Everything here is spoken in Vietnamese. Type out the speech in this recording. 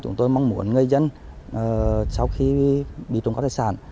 chúng tôi mong muốn người dân sau khi đi trồng cấp tài sản